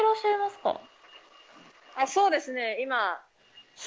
そうですね今。